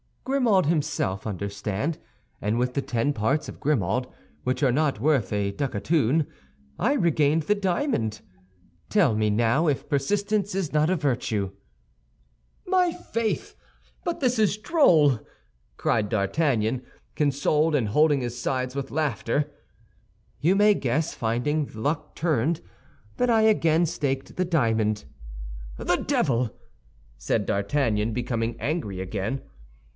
"Grimaud himself, understand; and with the ten parts of Grimaud, which are not worth a ducatoon, I regained the diamond. Tell me, now, if persistence is not a virtue?" "My faith! But this is droll," cried D'Artagnan, consoled, and holding his sides with laughter. "You may guess, finding the luck turned, that I again staked the diamond." "The devil!" said D'Artagnan, becoming angry again.